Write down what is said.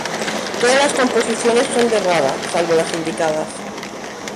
Todas las composiciones son de Rada, salvo las indicadas.